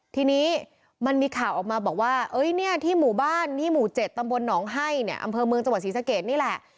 ทีนี้มันมีข่าวออกมาบอกว่าเนี่ยที่หมู่บ้านนี่หมู่๗ตำบลหนองไห้เนี่ยอำเภอเมืองจังหวัดศรีสะเกดนี่แหละ